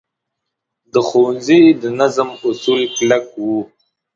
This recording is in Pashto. د ښوونځي د نظم اصول کلک وو.